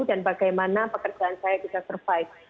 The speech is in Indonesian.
dan bagaimana pekerjaan saya bisa survive